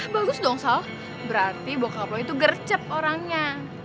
bagus dong sal berarti bokap lo itu gercep orangnya